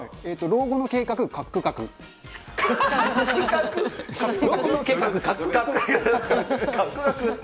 老後の計画かっ